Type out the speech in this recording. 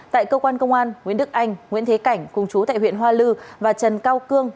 tại cơ quan công an nguyễn đức anh nguyễn thế cảnh cùng chú tại huyện hoa lư và trần cao cương